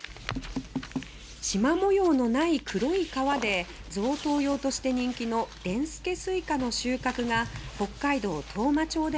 しま模様のない黒い皮で贈答用として人気の「でんすけすいか」の収穫が北海道当麻町で始まりました。